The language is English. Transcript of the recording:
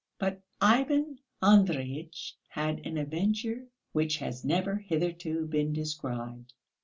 But Ivan Andreyitch had an adventure, which has never hitherto been described.